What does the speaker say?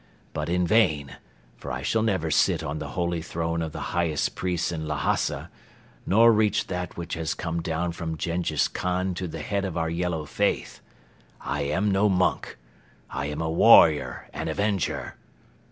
But in vain, for I shall never sit on the Holy Throne of the highest priest in Lhasa nor reach that which has come down from Jenghiz Khan to the Head of our yellow Faith. I am no monk. I am a warrior and avenger."